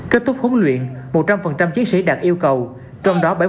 kết thúc huấn luyện một trăm linh chiến sĩ đạt yêu cầu trong đó bảy mươi đạt khá giỏi